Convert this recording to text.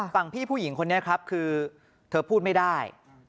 ฝั่งพี่ผู้หญิงคนนี้ครับคือเธอพูดไม่ได้